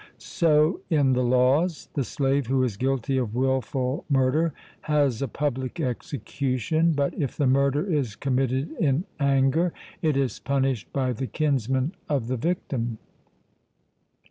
So in the Laws, the slave who is guilty of wilful murder has a public execution: but if the murder is committed in anger, it is punished by the kinsmen of the victim.